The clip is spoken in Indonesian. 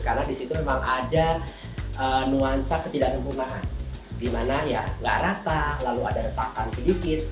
karena disitu memang ada nuansa ketidaksempurnaan dimana ya enggak rata lalu ada retakan sedikit